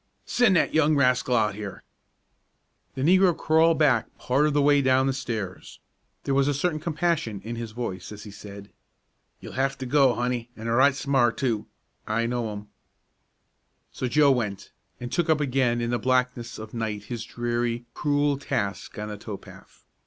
"Send that young rascal out here!" The negro crawled back part of the way down the stairs. There was a certain compassion in his voice as he said, "You'll hef to go, honey, an' right smart, too. I know him." So Joe went, and took up again in the blackness of night his dreary, cruel task on the tow path.